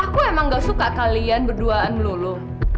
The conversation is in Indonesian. aku emang gak suka kalian berduaan melulu